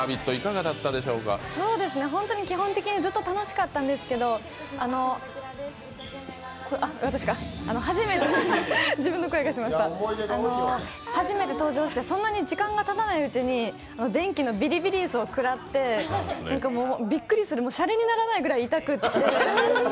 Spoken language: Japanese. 本当に基本的にずっと楽しかったんですけど、初めて登場してそんなに時間がたたないうちに電気のビリビリ椅子をくらって、びっくりする、シャレにならないぐらい痛くて。